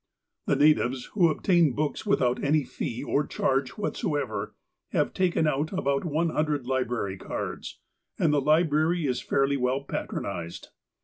The natives, who obtain the books without any fee or charge whatsoever, have taken out about one hundred library cards, and the library is fairly well patronized.